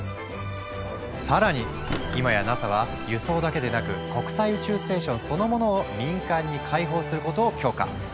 さらに今やＮＡＳＡは輸送だけでなく国際宇宙ステーションそのものを民間に開放することを許可。